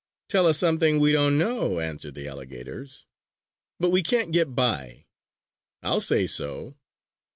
"Tell us something we don't know!" answered the alligators. "But we can't get by!" "I'll say so!"